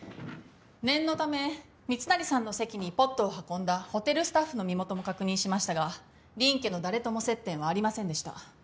念のため密成さんの席にポットを運んだホテルスタッフの身元も確認しましたが林家の誰とも接点はありませんでした。